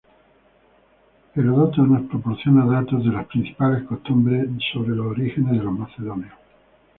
Heródoto nos proporciona datos sobres las principales costumbres sobre los orígenes de los macedonios.